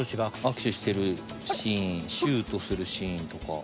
握手してるシーンシュートするシーンとか。